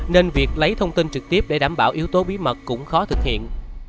nên việc lấy thông tin trực tiếp để đảm bảo yếu tố bí mật cũng khó thực hiện